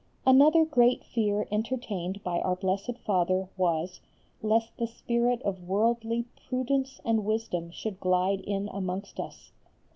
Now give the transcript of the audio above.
Another grave fear entertained by Our Blessed Father was, lest the spirit of worldly prudence and wisdom should glide in amongst us.